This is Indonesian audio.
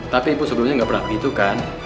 tapi ibu sebelumnya nggak pernah begitu kan